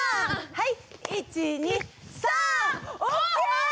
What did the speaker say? はい！